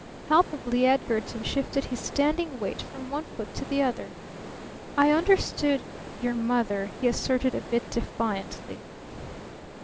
Palpably Edgarton shifted his standing weight from one foot to the other. "I understood your mother," he asserted a bit defiantly.